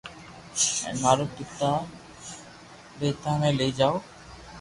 ھين مارو پاتا پيتا ني لئي جاو